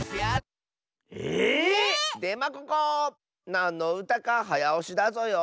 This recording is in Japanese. なんのうたかはやおしだぞよ。